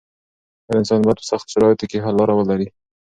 هر انسان بايد په سختو شرايطو کې د حل لاره ولري.